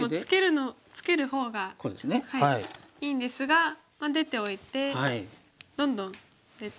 いいんですが出ておいてどんどん出て。